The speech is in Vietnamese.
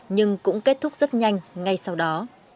nhưng cũng kết thúc rất nhanh ngay sau đó